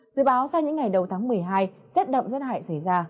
dự báo sau những ngày đầu tháng một mươi hai rét đậm rét hại xảy ra